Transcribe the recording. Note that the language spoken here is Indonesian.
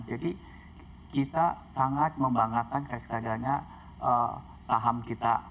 jadi kita sangat membanggakan reksadanya saham kita